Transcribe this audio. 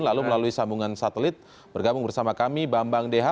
lalu melalui sambungan satelit bergabung bersama kami bambang deha